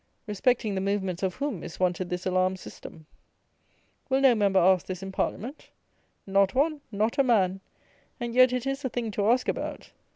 Respecting the movements of whom is wanted this alarm system? Will no member ask this in Parliament? Not one: not a man: and yet it is a thing to ask about.